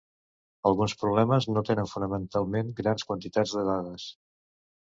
Alguns problemes no tenen fonamentalment grans quantitats de dades.